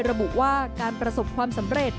ระบุว่าการประสบความสำเร็จ